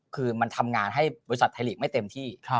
คือมันทำงานให้บริษัทไทยลีกไม่เต็มที่